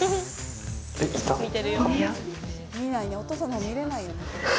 お父さんの方見れないよね。